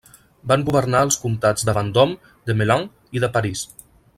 Van governar els comtats de Vendôme, de Melun i de París.